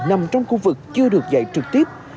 nằm trong khu vực chưa được dạy trực tiếp